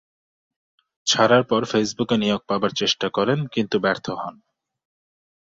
ছাড়ার পর ফেসবুক এ নিয়োগ পাবার চেষ্টা করেন, কিন্তু ব্যর্থ হন।